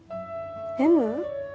Ｍ？